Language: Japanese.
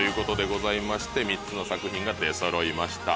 ございまして３つの作品が出そろいました。